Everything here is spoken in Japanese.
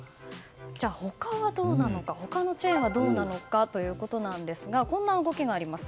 じゃあ、他はどうなのか他のチェーンはどうなのかということなんですがこんな動きがあります。